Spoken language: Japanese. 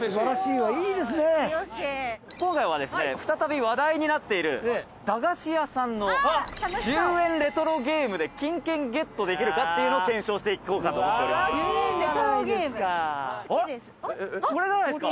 今回はですね再び話題になっている駄菓子屋さんの１０円レトロゲームで金券ゲットできるかっていうのを検証していこうかと思っております。